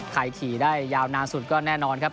ขี่ได้ยาวนานสุดก็แน่นอนครับ